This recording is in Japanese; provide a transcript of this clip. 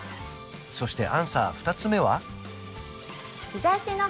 そしてアンサー２つ目は？